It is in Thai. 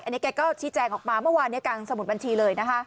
อันนี้แกก็ชี้แจงออกมาเมื่อวานนี้กลางสมุดบัญชีเลยนะคะ